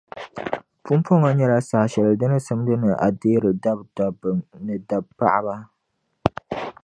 Pumpɔŋɔ nyɛla saha shɛli di ni simdi ni a deeri dabidɔbba ni dabipaɣiba?